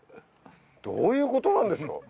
どういうことなんでしょう？